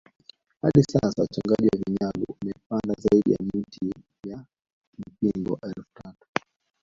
Hadi sasa wachongaji vinyago wamepanda zaidi ya miti ya mpingo elfu tatu